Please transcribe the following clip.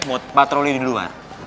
mau patroli di luar